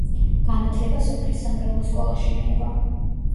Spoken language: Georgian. განათლება სოფლის სამრევლო სკოლაში მიიღო.